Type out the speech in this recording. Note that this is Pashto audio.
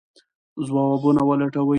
ځوابونه ولټوئ.